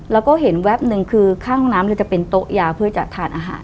แล้วก็เห็นแวบหนึ่งคือข้างห้องน้ำเลยจะเป็นโต๊ะยาเพื่อจะทานอาหาร